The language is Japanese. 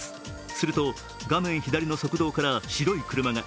すると画面左の側道から白い車が。